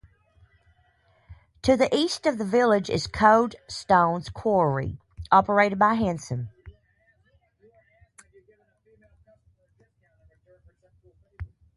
To the east of the village is Coldstones Quarry, operated by Hanson.